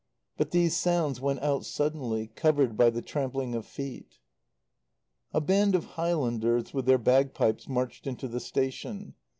But these sounds went out suddenly, covered by the trampling of feet. A band of Highlanders with their bagpipes marched into the station.